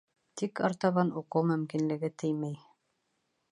Тик артабан уҡыу мөмкинлеге теймәй.